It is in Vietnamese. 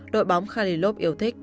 đội bóng khalilov yêu thích